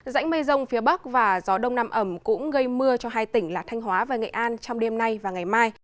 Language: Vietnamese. dãnh mây rông phía bắc và gió đông nam ẩm cũng gây mưa cho hai tỉnh là thanh hóa và nghệ an trong đêm nay và ngày mai